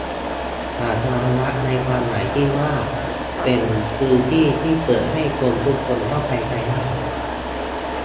สาธารณะในความหมายที่ว่าเป็นพื้นที่ที่เปิดให้คนทุกคนเข้าไปใช้ได้